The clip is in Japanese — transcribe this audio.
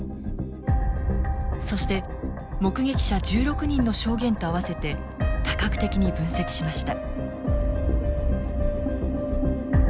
そして目撃者１６人の証言と合わせて多角的に分析しました。